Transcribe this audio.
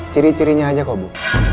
ciri cirinya aja kok bu